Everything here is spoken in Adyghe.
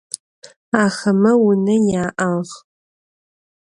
Axeme vune ya'ağ.